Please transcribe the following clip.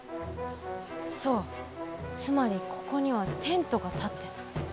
そうつまりここにはテントがたってた。